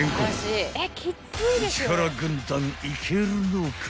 ［市原軍団いけるのか？］